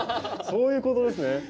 そういうことですね。